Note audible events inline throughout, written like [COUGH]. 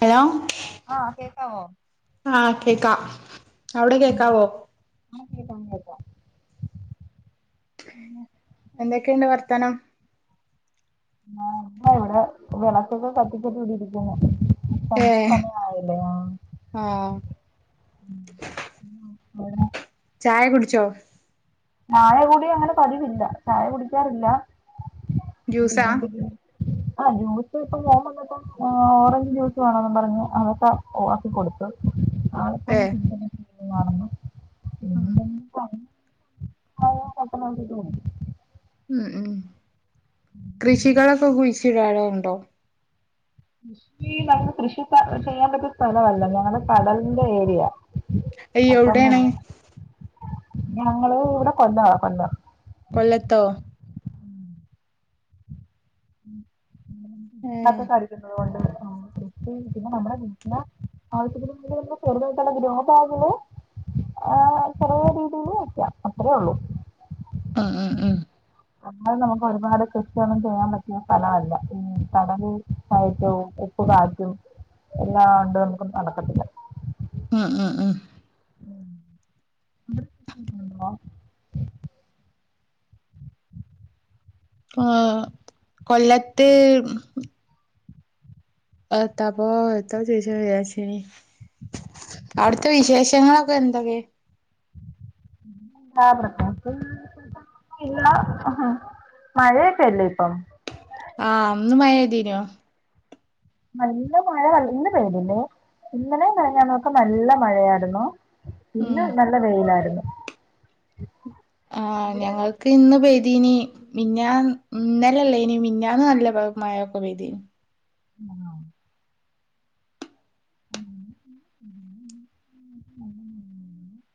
Hello ആഹ് കേക്കാവോ ആഹ് കേക്കാ അവ്ടെ കേക്കാവോ ആഹ് കേക്കാം കേക്കാം എന്തൊക്കെണ്ട് വർത്താനം ആഹ് ഇപ്പ ഇവടെ വെളക്കൊക്കെ കത്തിച്ചട്ട് ഇടിരിക്കുന്നു ഏ സന്ധ്യാ സമയായില്ലേ ആഹ് ആഹ് [UNINTELLIGIBLE] ചായ കുടിച്ചോ ചായ കൂടി അങ്ങനെ പതിവില്ല ചായ കുടിക്കാറില്ല ജ്യൂസാ പിന്നെന്തെങ്കിലും ആഹ് ജ്യൂസ് ഇപ്പൊ മോൻ വന്നപ്പോ ഓറഞ്ച് ജ്യൂസ് വേണോന്ന് പറഞ്ഞു അവൻക്ക് ആക്കി കൊടുത്തു ആള്പ്പം ഏ [UNINTELLIGIBLE] കാണുന്നു ഉം [UNINTELLIGIBLE] [UNINTELLIGIBLE] പെട്ടന്നങ് [UNINTELLIGIBLE] ഉം ഉം കൃഷികളൊക്കെ കുയ്ച്ചിടറുണ്ടോ കൃഷി നമ കൃഷി ത ചെയ്യാൻ പറ്റിയ സ്ഥലവല്ല ഞങ്ങടെ കടൽന്റേരിയ അയ്യോ അപ്പം എവിടെയാണ് ഞങ്ങള് ഇവ്ടെ കൊല്ലവ കൊല്ലം കൊല്ലത്തോ ഏ [UNINTELLIGIBLE] അടിക്കിന്നതോണ്ട് പിന്നെ നമ്മുടെ വീട്ടിന ആവശ്യത്തിന് [UNINTELLIGIBLE] ചെറ്തേട്ടല്ല ഗ്രോ ബാഗ്ല് ആഹ് ചറ്യേ രീതീല് വെക്ക അത്രേ ഉള്ളൂ ആഹ് ആഹ് ആഹ് അത് നമുക്ക് ഒരുപാട് കൃഷിയൊന്നും ചെയ്യാൻ പറ്റിയസ്ഥലവല്ല ഈ കടല് കൈറ്റോം ഉ പ്പ് കാറ്റും എല്ലാണ്ട് നമുക്ക് നടക്കത്തില്ല ആഹ് ആഹ് ആഹ് [INAUDIBLE] ആഹ് കൊല്ലത്ത് എത്താപ്പോ എത്താപ്പൊ ചോയ്ച്ച വിചാര്ച്ചീനി അവിടുത്തെ വിശേഷങ്ങളൊക്കെ എന്തൊക്കെ ആഹ് പ്രതേകിച്ചു ഇല്ല മഴയൊക്കെല്ലേ ഇപ്പം ആഹ് ഇന്ന് മയതീനോ നല്ല മഴ ഇന്ന് പെയതുല്ലേ ഇന്നലേ മിനിഞ്ഞാ നൊക്കെ നല്ല മഴയാരുന്നു പിന്ന ഉം നല്ല വെയിലാരുന്നു ആഹ് ഞങ്ങൾ ക്ക് ഇന്ന് പെയതിനി മിന്നാ ഇന്നലല്ലേ ഇനി മിന്നന്ന് നല്ല മഴക്കെ പേയ്‌തീന് ആഹ് [INAUDIBLE]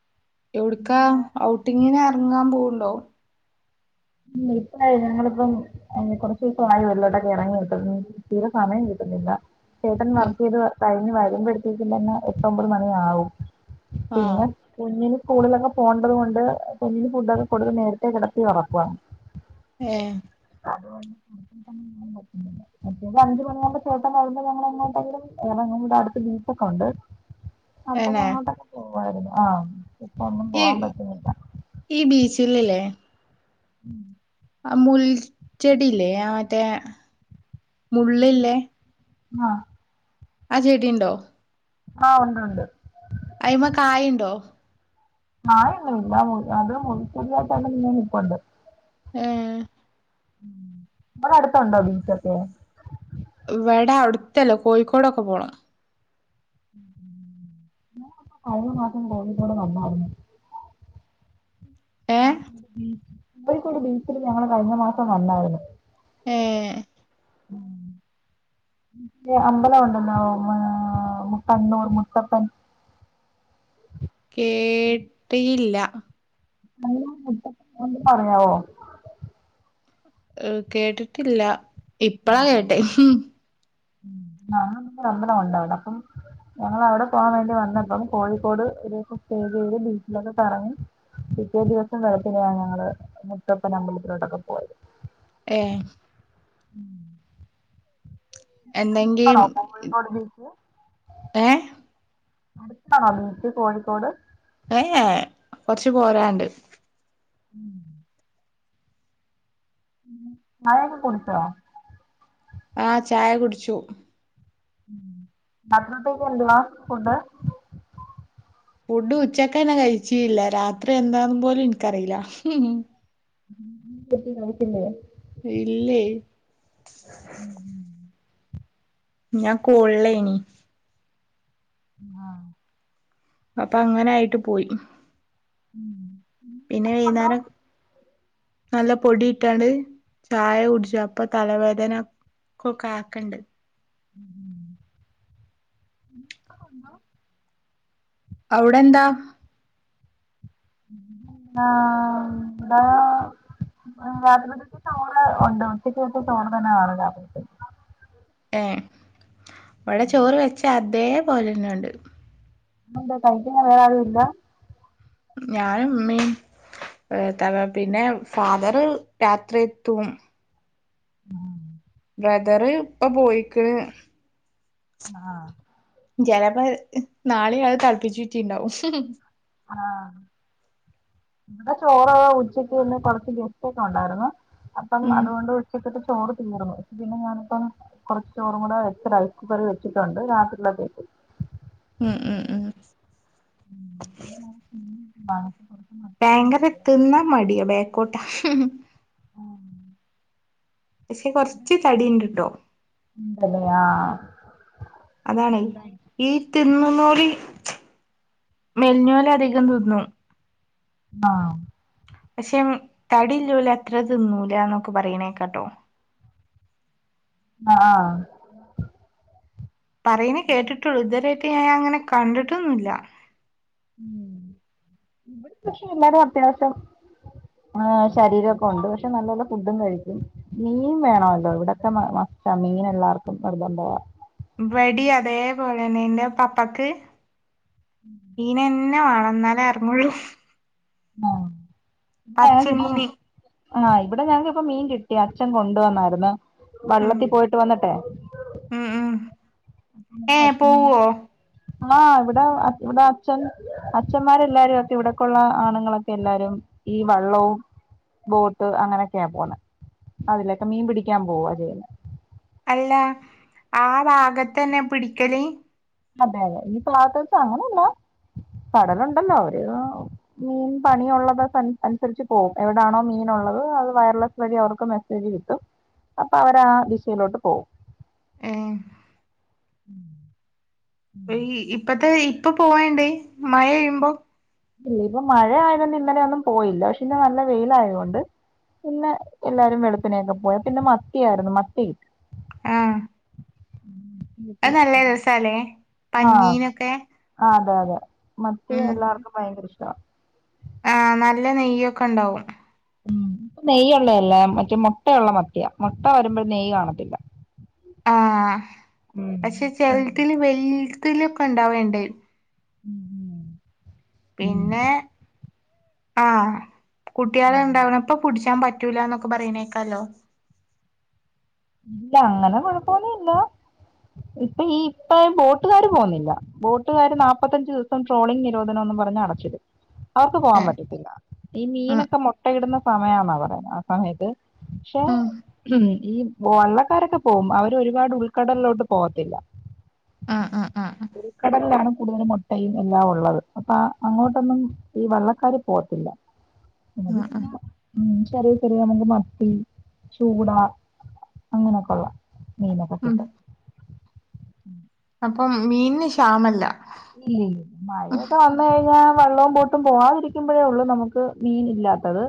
എവിടക്കാ ഇല്ല ഔട്ടിങ്ങിന എറങ്ങാൻ പോവണ്ടോ ഉം ഇപ്പായി ഞങ്ങളിപ്പം അഹ് കുറച്ചു ദിവസമായി വെളിലോ ട്ടൊക്കെ ഇറങ്ങിട്ട് തീര സമയം കിട്ടുന്നില്ല ചേട്ടൻ ഉം വർക്ക് ചെയ്ത് കഴിഞ്ഞ് വരു്പയ് തന്നെ എട്ട് ഒമ്പത് മണി യാവും ആഹ് പിന്നെ കുഞ്ഞിന് സ്കൂളിലൊക്കെ പോകേണ്ടത് കൊണ്ട് കുഞ്ഞി ഫുഡ്ക്കെ കൊട്ത്ത് നേരത്തെ കിടത്തി ഉറക്കുവാ ആഹ് അതുകൊണ്ട്ന്നെൻ [INAUDIBLE] മറ്റേത് അഞ്ചുമണിയാവുമ്പം ചേട്ടന് വരുമ്പോ ഞങ്ങൾ എങ്ങോട്ടെങ്കിലും എറങ്ങും ഇവിടെ അടുത്ത് ബീച്ചൊക്കെ ണ്ട് അപ്പൊ ഏനെ അങ്ങോട്ടൊക്കെ പോവായിരുന്നു ആഹ് ഇപ്പൊ ഒന്നും ഈ പോവാൻ പറ്റുന്നില്ല ഈ ബീച്ചിൽല്ലേ ഉം ആഹ് മുൽച്ചെടില്ലേ ആഹ് മറ്റേ മുള്ളില്ലേ ആഹ് ആഹ് ചെടിയണ്ടോ ആഹ് ഉണ്ട് ഉണ്ട് അയി്മ കായുണ്ടോ കായോന്നുംല്ല അത് മുൾ ചെടിയായിട്ടന്നെ നിൽക്കണ്ട് ആഹ് നമ്മടെ അടുത്തുണ്ടോ ബീച്ചൊക്കെ ഇവിടെ അടുത്തല്ലോ കോഴിക്കോടൊക്കെ പോണം ഉം ഞാൻ കഴിഞ്ഞ മാസം കോഴിക്കോട് വന്നായിരുന്നു ഏഹ് കോഴിക്കോട് ബീച്ചിൽ കോഴിക്കോട് ബീച്ചില് ഞങ്ങള് കഴിഞ്ഞ മാസം വന്നായിരുന്നു ഏഹ് ഉം പിന്നെ അമ്പലം ഉണ്ടല്ലോ മ ആഹ് കണ്ണൂർ മുത്തപ്പൻ കേട്ടീല്ല [UNINTELLIGIBLE] ഒന്ന് പറയാവോ കേട്ടിട്ടില്ല ഇപ്പളാ കേട്ടെ [UNINTELLIGIBLE] [UNINTELLIGIBLE] ഉണ്ട അവിടപ്പം ഞങ്ങള് അവിടെ പോകാൻ വേണ്ടി വന്നപ്പം കോഴിക്കോട് ഒരു ദിവസം സ്റ്റേ ചെയ്ത് ബീച്ചിലൊക്കെ കറങ്ങി പിറ്റേ ദിവസം വെളുപ്പിനെയാണ് ഞങ്ങള് മുത്തപ്പൻ അമ്പലത്തിലോട്ടൊക്കെ പോയത് ഏഹ് ഉം നിങ്ങക്ക് എന്തെങ്കി അടുത്താണോ കോഴിക്കോട് ബീച്ച് ഏ അടുത്താണോ ബീച്ച് കോഴിക്കോട് ഏഹ്യേ കൊറച്ച് പോരാണ്ട് ഉം ചായയൊക്കെ കുടിച്ചോ ആഹ് ചായ കുടിച്ചു രാത്രി ന് എന്തുവാ ഫുണ്ട് ഫുഡ് ഉച്ചക്കന്നെ കഴിച്ചില്ല രാത്രി എന്താന്ന് പോലും എനിക്കറിയില്ല ഹ്മ് മ് [UNINTELLIGIBLE] ഇല്ലയ് ഉം ഞാൻ കോള്ളേയിനി ആഹ് അപ്പൊ അങ്ങനെ ആയിട്ട് പോയി ഉം പിന്നെ വൈകുന്നേരം നല്ല പൊടി ഇട്ടാണ്ട് ചായ കുടിച്ചു അപ്പൊ തലവേദന കൊക്കാക്കണ്ട് ഉം അവിടെന്താ ആഹ് ആഹ് രാത്രിയിലേക്ക് ചോറ് ഉണ്ട് ഉച്ചയ്ക്ക് വെച്ച ചോറ് തന്നെ കാണും രാത്രിയിൽത്തേക്ക് ഏഹ് വിടെ ചോറ് വെച്ച അതേപോലെന്നെയുണ്ട് അതെന്താ കഴിക്കാൻ വേറെ ആരും ഇല്ല ഞാനുംമ്മീം ഏഹ് തവാ പിന്നെ ഫാദറ് രാത്രി എത്തും ആഹ് ബ്രദറ് ഇപ്പൊ പോയിക്ക്ണ് ആഹ് ജലപ്പോ നാളെയ് അത് തെളപ്പിച്ചൂറ്റിട്ടിണ്ടാവും ഹി ഹ് ആഹ് ഇവിടെ ചോറ് ഉച്ചയ്ക്ക് പിന്നെ കൊറച്ച് ഗെസ്റ്റ് ഒക്കെ ഉണ്ടായിരുന്ന്‌ അപ്പം ഉം അതുകൊണ്ട് ഉച്ചക്കത്തെ ചോറ് തീർന്നു പ പിന്നെ ഞാനിപ്പം കുറച്ച് ചോറും കൂടെ വച്ച് റൈസ് കുക്കറിൽ വെച്ചിട്ടുണ്ട് അത് രാത്രിയിൽത്തേക്ക് ഉം ഉം ഉം ഉം പിന്നെ എന്തുവാ ഭയങ്കര തിന്നാ മടിയോ ബേക്കോട്ടാ ആഹ് പക്ഷെ കൊറച്ച് തടിയിണ്ട്ട്ടോ ഉണ്ടല്ലേ ആഹ് അതാണ് ഈ തിന്നുന്നോലി മെൽഞ്ഞോല് അധികം തിന്നും ആഹ് പക്ഷെ തടില്ലോല് അത്ര തിന്നൂല എന്നൊക്കെ പറയണേകേക്കാട്ടോ ആഹ് ആഹ് പറയുന്നേ കേട്ടിട്ടുള്ളു ഇതുവരായിട്ട് ഞാൻ അങ്ങനെ കണ്ടിട്ടൊന്നില്ല [INAUDIBLE] കൃഷി എല്ലരും അത്യാശം ആഹ് ശരീരമൊക്കെ ഉണ്ട് പക്ഷെ നല്ലല്ല ഫുഡും കഴിക്കും മീൻ വേണമല്ലോ ഇവിടെക്കെ മസ് മീൻ എല്ലാവർക്കും നിർബന്താ വെടി അതേപോലെന്നെ എന്റെ പപ്പക്ക് മീനെന്നെ വേണം എന്നാലേ അറങ്ങള്ളൂ ആഹ് പച്ചമീന് [UNINTELLIGIBLE] ആഹ് ഇവിടെ ഞങ്ങക്കിപ്പ മീൻ കിട്ടി അച്ഛൻ കൊണ്ട് വന്നായിരുന്നു ഉം വെള്ളത്തിൽ പോയിട്ട് വന്നിട്ടെ ഉം ഉം ഏ അച്ഛന് പോവോ ആഹ് ഇവിടെ ഇവിടെ അച്ഛൻ അച്ന്മാരെല്ലാരും ഒക്കെ ഇവിടക്കുള്ള ആണുങ്ങളൊക്കെ എല്ലാരും ഈ വള്ളവും ബോട്ട് അങ്ങനെയൊക്കെയാ പോണെ അതിലൊക്കെ മീൻ പിടിക്കാൻ പോവ ചെയ്യണേ അല്ല ആഹ് ഭാഗത്തന്നെ പിടിക്കല് അതെ അതെ ഈ ഭാഗത്ത് അങ്ങനെയല്ല കടലുണ്ടല്ലോ ഒരുര് മീൻ പണിയുള്ളത് അനുസരിച്ച് പോകും എവിടാണോ മീൻ ഉള്ളത് അത് വയർലെസ് വഴി അവർക്ക് ഗതി കിട്ടും അപ്പൊ അവർ ആ ദിശയിലോട്ട് പോവും ഏ ഈ ഇപ്പത്തെ ഇപ്പൊ പോവണ്ടേ മഴ പെയ്യുമ്പോൾ ഇല്ല ഇപ്പൊ മഴ ആയതൊണ്ട് ഇന്നലെ ഒന്നും പോയില്ല പക്ഷെ ഇന്ന നല്ല വെയില ആയോണ്ട് പിന്നെ എല്ലാരും വെളുപ്പിനേക്കെ പോയി പിന്നെ മത്തിയായിരുന്നു മത്തി ആഹ് കിട്ടി അത് നല്ല രസാലേ ആഹ് പന്നീനൊക്കെ ആഹ് അതെ അതെ മത്തി എല്ലാവർക്കും ഭയങ്കര ഇഷ്ടാ ആഹ് നല്ല നെയ്യൊക്കെ ഉണ്ടാവും ഉം ഇപ്പ നെയ്യള്ളതല്ലേ മറ്റേ മുട്ടയുള്ള മത്തിയ മുട്ട വരുമ്പോൾ നെയ്യ് കാണത്തില്ല ആഹ് ഉം പക്ഷെ ചിലത്തിൽ വെലുത്തിക്കെ ഉണ്ടാവേണ്ട ഉം ഉം പിന്നെ ആ കുട്ടികള ഉണ്ടാവുന്നപ്പോ പിടിച്ചാൻ പറ്റ പറ്റുലാന്നൊക്കെ പറയുന്നേക്കാലോ ഇല്ല അങ്ങനെ കൊഴപ്പന്നില്ല ഇപ്പൊ ഈ ഇപ്പ ബോട്ടുകാര് പോന്നില്ല ബോട്ടുകാര് നാപ്പത്തഞ്ച് ദിവസം ട്രോളിംഗ് നിരോധനോന്ന് പറഞ്ഞ്ടച്ചിടും അവർക്ക് പോവാൻ ഏഹ് പറ്റത്തില്ല ഈ ഉം മീനൊക്കെ മുട്ടയിടുന്ന സമയെന്നാ പറയുന്നത് ആ സമയത്ത് പക്ഷേ ഉം ഈ വള്ളക്കാരൊക്കെ പോവും അവര് ഒരുപാട് ഉൾക്കടലിലോട്ട് പോകത്തില്ല ആഹ് ആഹ് ആഹ് ഉൾക്കടലിലാണ് കൂടുതലും മുട്ടയും എല്ലാം ഉള്ളത് അപ്പ അങ്ങോട്ടൊന്നും ഈ വള്ളക്കാര് പോത്തില്ല ആഹ് ഉം ചെറിയ ചെറിയ നമുക്ക് മത്തി ചൂട അങ്ങനെയൊക്കെയുള്ളേ മീനോക്കെ ഉം കിട്ടും അപ്പം മീനിന് ക്ഷാമല്ല ഇല്ല ഇല്ലില്ല മഴ കഴിഞ്ഞാൽ വെള്ളവും ബോട്ടും പോകാതിരിക്കുമ്പോഴേ ഉള്ളു നമുക്ക് മീൻ ഇല്ലാത്തത്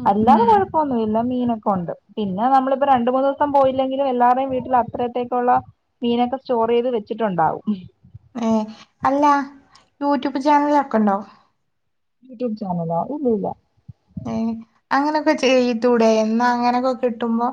ഉം അല്ലാതെ ഉം കുഴപ്പം ല്ല മീനൊക്കെ ഉണ്ട് പിന്നെ നമ്മളിപ്പോ രണ്ടു മൂന്ന്ദിവസം പോയില്ലെങ്കിലും എല്ലാവരുയും വീട്ടിൽ അത്രത്തേക്കുള്ള മീനൊക്കെ സ്റ്റോർ ചെയ്ത് വെച്ചിട്ടുണ്ടാവും ഏഹ് അല്ല യൂട്യൂബ് ചാനലൊക്കെ ഉണ്ടോ യൂട്യൂബ് ചാനലോ ഇല്ലല്ലാ ഏഹ് അങ്ങനൊക്കെ ചെയത്തൂടെ എന്ന അങ്ങനെയൊക്കെ കിട്ടുമ്പോ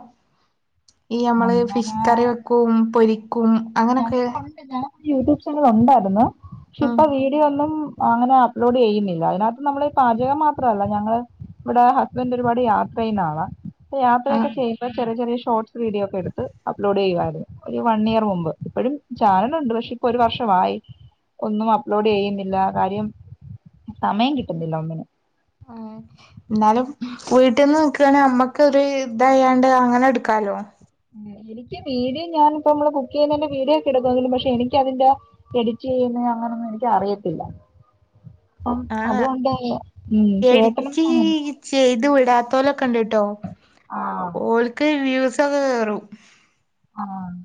ഈ നമ്മള് ഫിഷ് അങ്ങനെ കറി വെക്കും പൊരിക്കും അങ്ങനൊക്കെ ഞങ്ങൾക്ക് പണ്ട് ഞങ്ങൾക്ക് യൂട്യൂബ് ചാനൽ ഉണ്ടായിരുന്നു പക്ഷെ ഉം ഇപ്പൊ വീഡിയോ ഒന്നും അങ്ങനെ അപ്ലോഡ് ചെയ്യുന്നില്ല അതിനകത്ത് നമ്മൾ ഈ പാചകം മാത്രമല്ല ഞങ്ങള് ഇവിടെ ഹസ്ബൻറ് ഒരുപാട് യാത്ര ചെയ്യുന്നാളാ ഇപ്പ ആ യാത്രയൊക്കെ ചെയ്യുമ്പോ ചെറിയ ചെറിയ ഷോർട്സ് വീഡിയോ ഒക്കെ എടുത്ത് അപ്ലോഡ് ചെയ്യുവായിരുന്നു ഒരു വൺ ഇയർ മുമ്പ് ഇപ്പഴും ചാനലുണ്ട് പക്ഷേ ഇപ്പൊ ഒരു വർഷമായി ഒന്നും അപ്ലോഡ് ചെയ്യുന്നില്ല കാര്യം സമയം കിട്ടുന്നില്ല ഒന്നിനും ആഹ് എന്നാലും വീട്ടിൽന്ന് നിക്കുയാണെ നമ്മക്കൊരു ഇതായാണ്ട് അങ്ങനെ എടുക്കാലോ എനിക്ക് വീഡിയോ ഞാൻ ഇപ്പോ നമ്മള് കുക്ക് ചെയ്യുന്നതിൻ്റ വീഡിയോ ഒക്കെ എടുക്കങ്കിലും പക്ഷെ എനിക്ക് അതിന്റെ എഡിറ്റ് ചെയ്യുന്ന അങ്ങനെയൊന്നും എനിക്ക് അറിയത്തില്ല അപ്പം ആ അതുകൊണ്ട് ഉം ചേട്ടനും എഡിറ്റ് സമ ചെയ്ത് വിടാത്തോലൊക്കെ ഉണ്ട്ട്ടോ ആഹ് ഓലക്ക് വ്യൂസൊക്കെ കയറും ആഹ്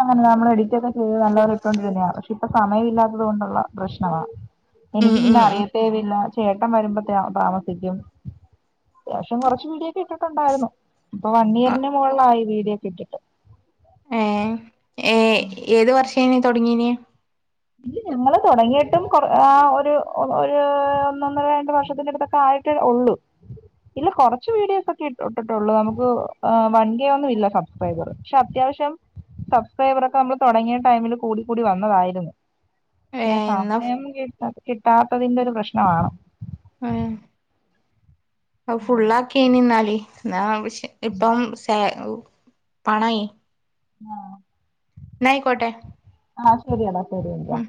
അങ്ങനെ നമ്മൾ എഡിറ്റ് ഒക്കെ ചെയ്ത് നല്ലപോലെ ഇട്ടുകൊണ്ടിരുന്നെയ പക്ഷേ ഇപ്പൊ സമയില്ലാത്തത് കൊണ്ടുള്ള പ്രശ്നമാണ് ഉം എനിക്ക് പിന്നെ ഉം ഉം അറിയത്തേവില്ല ചേട്ടൻ വരുമ്പോ താമസിക്കും അത്യാശ്യം കുറച്ച് വീഡിയോക്കെ ഇട്ടിട്ടുണ്ടായിരുന്നു ഇപ്പൊ വൺ ആ, ഇയറിന് മുകളിലായി വീഡിയോക്കെ ഇട്ടിട്ട് ഏ ഏ ഉം ഏത് വർഷേന തുടങ്ങീന ഇത് ഞങ്ങള് തുടങ്ങിയിട്ടും ഒരു ഒരു ഒന്നൊന്നര രണ്ട് വർഷത്തിന്റെ അടുത്തൊക്കെ ആയി ഉള്ളൂ ഇല്ല കുറച്ച് വീഡിയോസ് ഒക്കെ ഇട്ടിട്ടുള്ളൂ നമുക്ക് വൺകെ ഒന്നും ഇല്ല സബ്സ്ക്രൈബർ പക്ഷെ അത്യാവശ്യം സബ്സ്ക്രൈബറൊക്കെ നമ്മൾ തുടങ്ങിയ ടൈമിൽ കൂടി കൂടി വന്നതായിരുന്നു ഏ പക്ഷെ എന്നാ സമയം കിട്ട കിട്ടാത്തതിന്റെ ഒരു പ്രശ്നമാണ് ഉം. ഫുള്ള് ആക്കിനി നിന്നാലി എന്നാ ഇപ്പം പണായി ആഹ് എന്ന ആയിക്കോട്ടെ ആഹ് ശരിയട ശരി എന്നാ